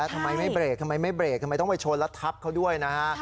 ทำไมไม่เบรกทำไมไม่เบรกทำไมต้องไปชนแล้วทับเขาด้วยนะฮะ